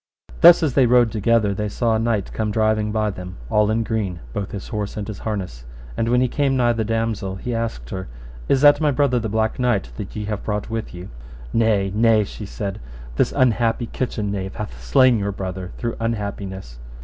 Thus as they rode together, they saw a knight come driving by them all in green, both his horse and his harness; and when he came nigh the damosel, he asked her, Is that my brother the Black Knight that ye have brought with you? Nay, nay, she said, this unhappy kitchen knave hath slain your brother through unhappiness.